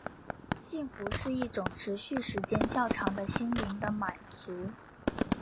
幸福是一种持续时间较长的心灵的满足。